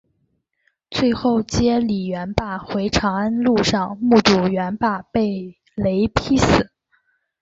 最后接李元霸回长安路上目睹元霸被雷劈死。